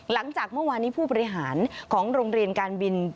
หลังจากเมื่อวานนี้ผู้บริหารของโรงเรียนการบิน